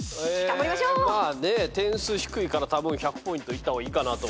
まあね点数低いからたぶん１００ポイントいった方がいいかなとは。